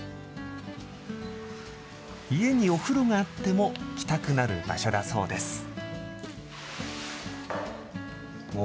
家にお風呂があっても、来たくなる場所だそうです。